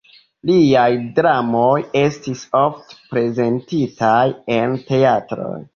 Liaj dramoj estis ofte prezentitaj en teatroj.